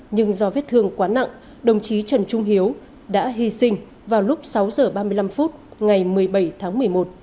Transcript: nhưng do vết thương quá nặng đồng chí trần trung hiếu đã hy sinh vào lúc sáu h ba mươi năm phút ngày một mươi bảy tháng một mươi một